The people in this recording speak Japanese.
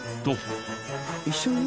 一緒に？